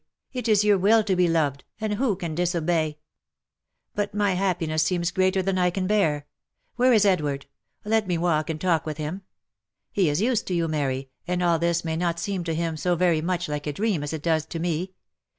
it is your will to be loved, and who can disobey ? 382 THE LIFE AND ADVENTURES But my happiness seems greater than I can bear ! Where is Ed ward ? Let me walk, and talk with him ! He is used to you, Mary, and all this may not seem to him so very much like a dream as it does to me.